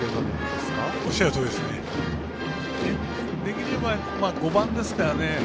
できれば、５番ですからね。